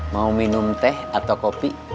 mau minum teh atau kopi